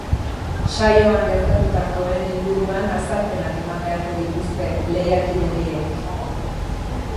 Saioan gertatutakoen inguruan azalpenak eman beharko dituzte lehiakide biek.